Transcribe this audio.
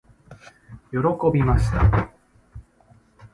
喜びました。